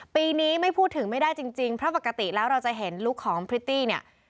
ปีนี้ไม่พูดถึงไม่ได้จริงเพราะปกติแล้วเราจะเห็นลุคของพริตตี้เนี่ย